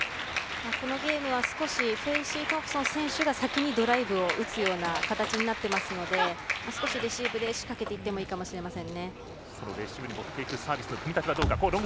このゲームは少しフェイシートンプソン選手が先にドライブを打つような形になってますので少しレシーブで仕掛けていってもいいかもしれません。